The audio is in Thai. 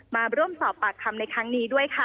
มาร่วมสอบปากคำในครั้งนี้ด้วยค่ะ